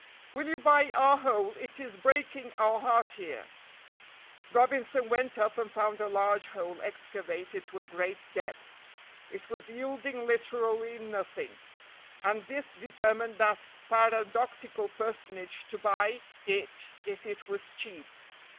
"Will you buy our hole, it is breaking our heart here." Robinson went up and found a large hole excavated to a great depth; it was yielding literally nothing, and this determined that paradoxical personage to buy it if it was cheap.